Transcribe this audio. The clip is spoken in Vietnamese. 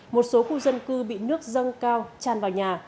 một số khu dân cư bị nước dâng cao tràn vào nhà